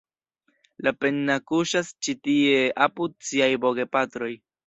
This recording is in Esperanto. Lapenna kuŝas ĉi tie apud siaj bogepatroj.